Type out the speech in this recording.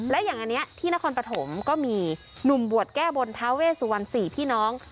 และอย่างอันนี้ที่นครปฐมก็มีหนุ่มบวชแก้บนท้าเวสุวรรณ๔พี่น้อง